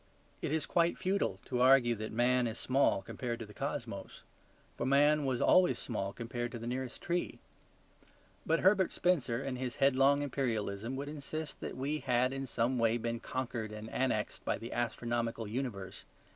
It is quite futile to argue that man is small compared to the cosmos; for man was always small compared to the nearest tree. But Herbert Spencer, in his headlong imperialism, would insist that we had in some way been conquered and annexed by the astronomical universe.